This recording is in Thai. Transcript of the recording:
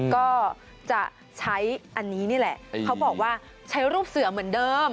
ก็จะใช้อันนี้นี่แหละเขาบอกว่าใช้รูปเสือเหมือนเดิม